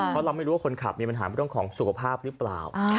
เพราะเราไม่รู้ว่าคนขับมีปัญหาเรื่องของสุขภาพหรือเปล่า